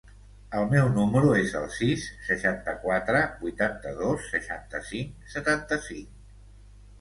El meu número es el sis, seixanta-quatre, vuitanta-dos, seixanta-cinc, setanta-cinc.